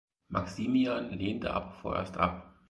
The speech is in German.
Maximian lehnte aber vorerst ab.